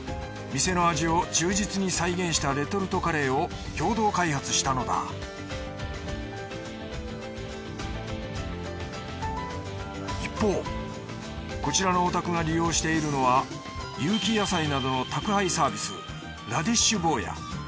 店の味を忠実に再現したレトルトカレーを共同開発したのだ一方こちらのお宅が利用しているのは有機野菜などの宅配サービス